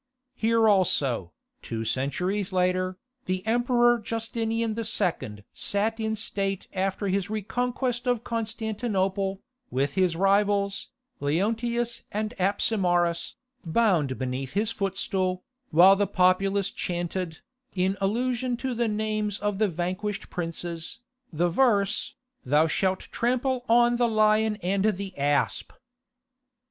Here also, two centuries later, the Emperor Justinian II. sat in state after his reconquest of Constantinople, with his rivals, Leontius and Apsimarus, bound beneath his footstool, while the populace chanted, in allusion to the names of the vanquished princes, the verse, "Thou shalt trample on the Lion and the Asp."